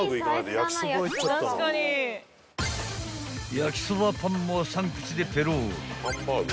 ［焼そばパンも３口でペロリ］